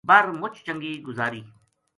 بر مُچ چنگی گزاری